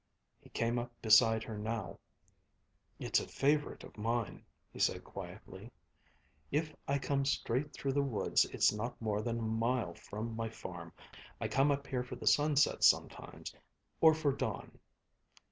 He came up beside her now. "It's a favorite of mine," he said quietly. "If I come straight through the woods it's not more than a mile from my farm. I come up here for the sunsets sometimes or for dawn."